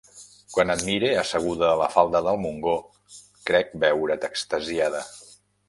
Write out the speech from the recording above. Quan et mire asseguda a la falda del Montgó, crec veure't extasiada.